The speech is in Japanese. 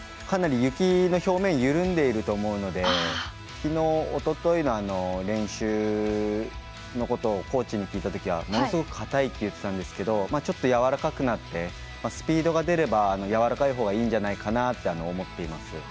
かなり雪の表面緩んでいると思うのできのう、おとといの練習のことをコーチに聞いたときはものすごく、かたいって言ってたんですけどちょっとやわらかくなってスピードが出ればやわらかいほうがいいんじゃないかなと思っています。